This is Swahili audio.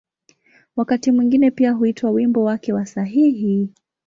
Wakati mwingine pia huitwa ‘’wimbo wake wa sahihi’’.